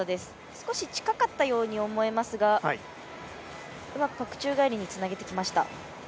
少し近かったようにも思えますがうまくパク宙返りにつなげてきました。